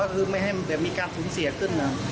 คือไม่ให้มีการสูงเสียขึ้น